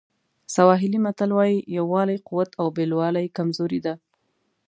سواهیلي متل وایي یووالی قوت او بېلوالی کمزوري ده.